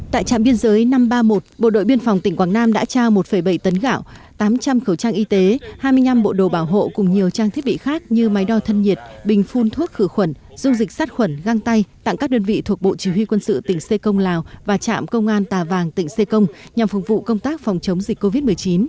tại trạm biên giới năm trăm ba mươi một bộ đội biên phòng tỉnh quảng nam đã trao một bảy tấn gạo tám trăm linh khẩu trang y tế hai mươi năm bộ đồ bảo hộ cùng nhiều trang thiết bị khác như máy đo thân nhiệt bình phun thuốc khử khuẩn dung dịch sát khuẩn găng tay tặng các đơn vị thuộc bộ chỉ huy quân sự tỉnh xê công lào và trạm công an tà vàng tỉnh sê công nhằm phục vụ công tác phòng chống dịch covid một mươi chín